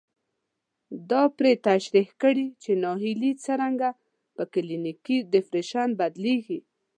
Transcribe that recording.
دا پرې تشرېح کړي چې ناهيلي څرنګه په کلينيکي ډېپريشن بدلېږي.